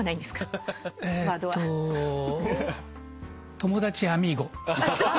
友達アミーゴ。